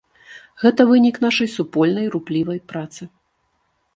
Гэта вынік нашай супольнай руплівай працы.